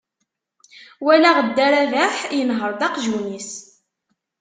Walaɣ dda Rabeḥ yenher-d aqjun-is.